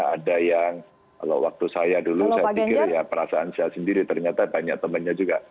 ada yang kalau waktu saya dulu saya pikir ya perasaan saya sendiri ternyata banyak temannya juga